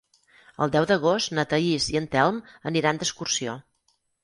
El deu d'agost na Thaís i en Telm aniran d'excursió.